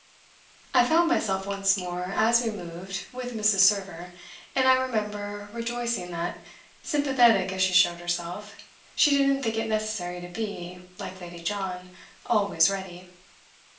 I found myself once more, as we moved, with Mrs. Server, and I remember rejoicing that, sympathetic as she showed herself, she didn't think it necessary to be, like Lady John, always "ready."